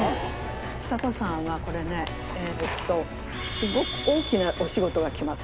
ちさ子さんはこれねすごく大きなお仕事が来ます。